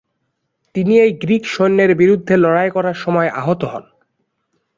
তিনি এক গ্রীক সৈন্যের বিরুদ্ধে লড়াই করার সময়ে আহত হন।